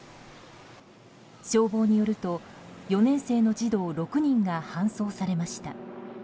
消防によると、４年生の児童６人が搬送されました。